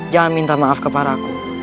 jangan minta maaf kepadaku